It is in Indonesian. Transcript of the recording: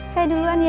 saya duluan ya